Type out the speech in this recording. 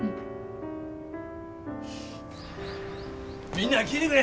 みんな聞いてくれ！